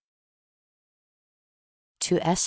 g. To S.